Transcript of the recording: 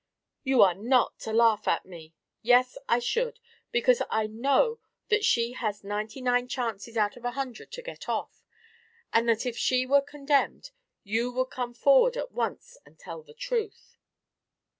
"You are not to laugh at me! Yes, I should. Because I know that she has ninety nine chances out of a hundred to get off, and that if she were condemned you would come forward at once and tell the truth."